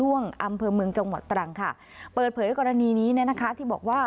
้วงอำเภอเมืองจังหวัดตรังค่ะเปิดเผยกรณีนี้เนี่ยนะคะที่บอกว่า